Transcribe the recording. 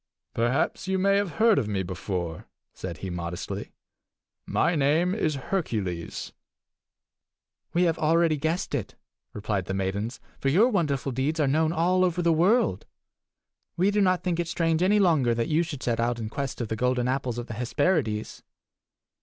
"Perhaps you may have heard of me before," said he modestly. "My name is Hercules." "We have already guessed it," replied the maidens, "for your wonderful deeds are known all over the world. We do not think it strange any longer that you should set out in quest of the golden apples of the Hesperides.